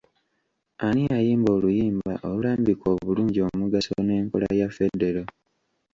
Ani yayimba oluyimba olulambika obulungi omugaso n’enkola ya federo.